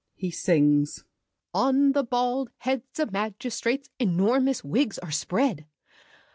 [He sings. "On the bald heads of magistrates, Enormous wigs are spread.